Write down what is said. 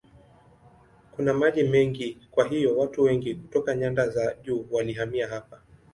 Kuna maji mengi kwa hiyo watu wengi kutoka nyanda za juu walihamia hapa.